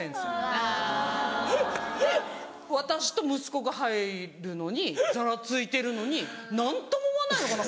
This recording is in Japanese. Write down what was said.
・あぁ・私と息子が入るのにざらついてるのに何とも思わないのかな